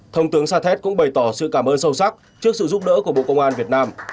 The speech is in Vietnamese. thông tướng sa thét cũng bày tỏ sự cảm ơn sâu sắc trước sự giúp đỡ của bộ công an việt nam